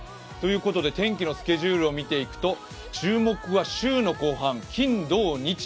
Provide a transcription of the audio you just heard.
天気のスケジュールを見ていくと、注目は週の後半、金土日。